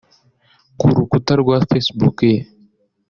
Ku rukuta rwa Facebook ye